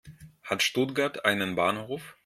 Hat Stuttgart einen Bahnhof?